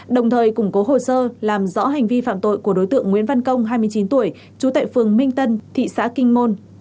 đồng thời củng cố hồ sơ làm rõ hành vi phạm tội của đối tượng nguyễn văn công hai mươi chín tuổi trú tại phường minh tân thị xã kinh môn